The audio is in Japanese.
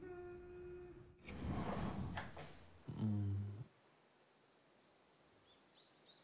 ・うん？